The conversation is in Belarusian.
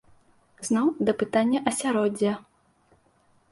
Зноў да пытання асяроддзя.